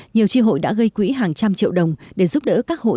nhiều tri hội đã gây quỹ hàng trăm triệu đồng để giúp đỡ các hội